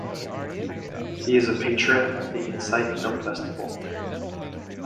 He is a patron of the Insight Film Festival.